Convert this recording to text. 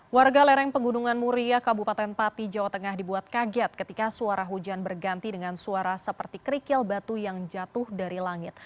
warga lereng pegunungan muria kabupaten pati jawa tengah dibuat kaget ketika suara hujan berganti dengan suara seperti kerikil batu yang jatuh dari langit